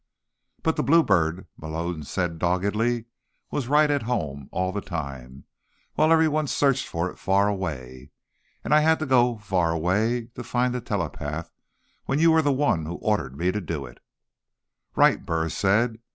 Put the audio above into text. "But the Bluebird," Malone said doggedly, "was right at home all the time, while everyone searched for it far away. And I had to go far away to find a telepath, when you were the one who ordered me to do it." "Right," Burris said.